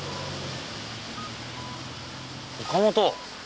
岡本。